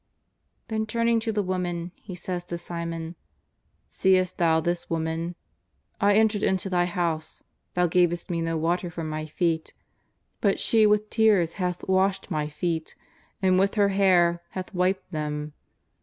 Then, turning to the woman, He says to Simon: *^ Seest thou this woman ? I entered into thy house, thou gavest Me no water for My feet, but she with tears hath washed My feet, and with her hair hath wiped them.